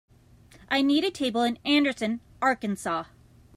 I need a table in Anderson Arkansas